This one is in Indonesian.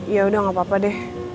yaudah gapapa deh